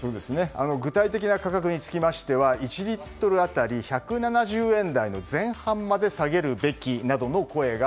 具体的な価格につきましては１リットル当たり１７０円台の前半まで下げるべきなどの声が